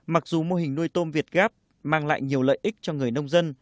mặc dù mô hình nuôi tôm việt gáp mang lại nhiều lợi ích cho người nông dân